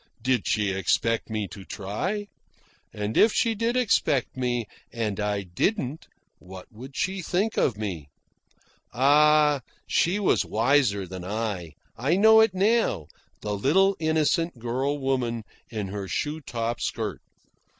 Did she expect me to try? And if she did expect me, and I didn't what would she think of me? Ah, she was wiser than I I know it now the little innocent girl woman in her shoe top skirt.